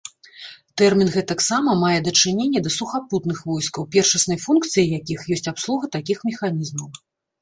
Тэрмін гэтаксама мае дачыненне да сухапутных войскаў, першаснай функцыяй якіх ёсць абслуга такіх механізмаў.